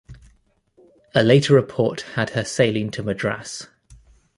A later report had her sailing to Madras.